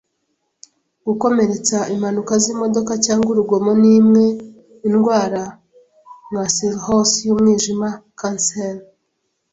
Gukomeretsa impanuka zimodoka cyangwa urugomo nimwe. Indwara nka cirrhose y'umwijima, kanseri,